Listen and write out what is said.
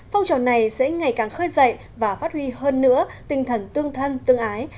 phong trào này sẽ ngày càng khơi dậy và phát huy hơn nữa tinh thần tương thân tương ái